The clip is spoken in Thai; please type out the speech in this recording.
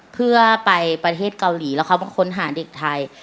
เพื่อไปประเทศเกาหลีแล้วเขามาค้นหาเด็กไทย